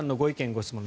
・ご質問